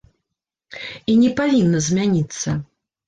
І не павінна змяніцца.